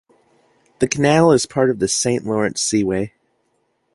The canal is part of the Saint Lawrence Seaway.